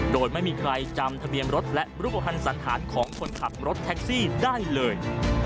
โดยไม่มีใครจำทะเบียนรถและรูปภัณฑ์สันธารของคนขับรถแท็กซี่ได้เลย